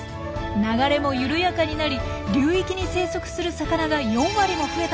流れも緩やかになり流域に生息する魚が４割も増えたそうですよ。